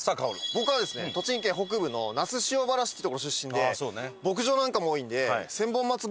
僕はですね栃木県北部の那須塩原市ってとこの出身で牧場なんかも多いんで。